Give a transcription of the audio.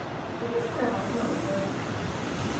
Mais qu’est-ce qu’on leur apprend à l’école?